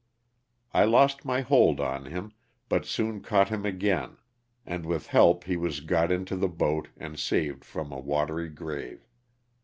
I lost my hold on him but soon caught him again, and with help he was got into the boat and saved from a watery grave.